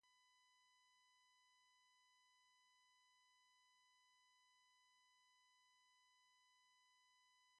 The bay hosts a single island, Ghost Island, located between Elmhurst and Lower Kars.